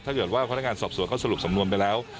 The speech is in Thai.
ถ้าเกิดว่าพนักงานสอบสวนเขาสรุปสำนวนไปแล้ว